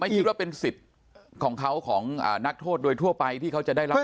คิดว่าเป็นสิทธิ์ของเขาของนักโทษโดยทั่วไปที่เขาจะได้รับ